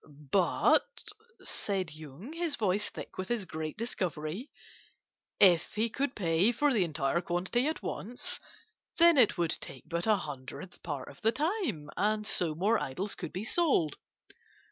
"'But,' said Yung, his voice thick with his great discovery, 'if he could pay for the entire quantity at once, then it would take but a hundredth part of the time, and so more idols could be sold.